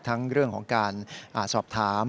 ทั้งเรื่องของการสอบถาม